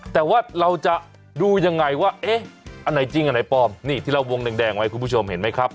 แต่ว่าเราจะดูยังไงว่าเอ๊ะอันไหนจริงอันไหนปลอมนี่ที่เราวงแดงไว้คุณผู้ชมเห็นไหมครับ